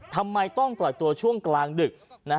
ทำไมต้องปล่อยตัวช่วงกลางดึก